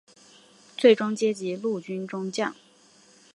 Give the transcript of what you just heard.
最终阶级陆军中将。